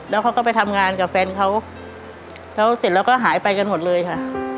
แล้วเขาก็ไปทำงานกับแฟนเขาแล้วเสร็จแล้วก็หายไปกันหมดเลยค่ะ